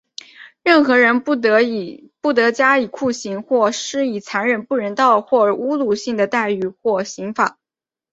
任何人不得加以酷刑,或施以残忍的、不人道的或侮辱性的待遇或刑罚。